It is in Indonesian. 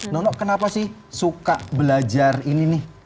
nono kenapa sih suka belajar ini nih